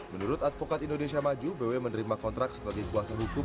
menurut advokat indonesia maju bw menerima kontrak sebagai kuasa hukum